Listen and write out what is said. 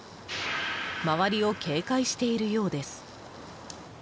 周りを警戒しているようです。